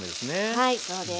はいそうです。